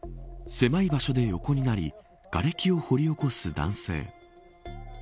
狭い場所で横になりがれきを掘り起こす男性。